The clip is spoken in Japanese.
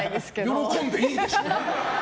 喜んでいいでしょ！